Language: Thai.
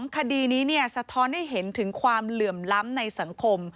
คดีนี้สะท้อนให้เห็นถึงความเหลื่อมล้ำในสังคม